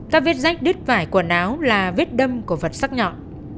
ta viết rách đứt vải quần áo là viết đâm của vật sắc nhọn